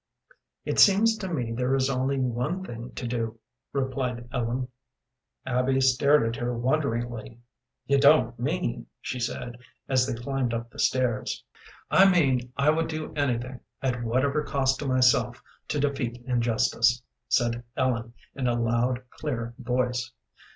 "It seems to me there is only one thing to do," replied Ellen. Abby stared at her wonderingly. "You don't mean " she said, as they climbed up the stairs. "I mean I would do anything, at whatever cost to myself, to defeat injustice," said Ellen, in a loud, clear voice.